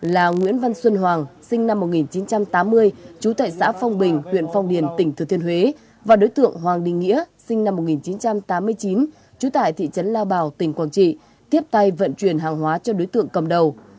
là nguyễn văn xuân hoàng sinh năm một nghìn chín trăm tám mươi chú tại xã phong bình huyện phong điền tỉnh thừa thiên huế và đối tượng hoàng đình nghĩa sinh năm một nghìn chín trăm tám mươi chín trú tại thị trấn lao bảo tỉnh quảng trị tiếp tay vận chuyển hàng hóa cho đối tượng cầm đầu